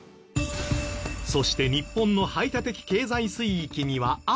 そして日本の排他的経済水域にはある懸念が。